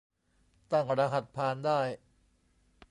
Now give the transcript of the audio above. ตั้งรหัสผ่านได้